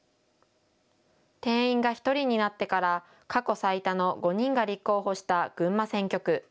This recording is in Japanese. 定員が１人になってから過去最多の５人が立候補した群馬選挙区。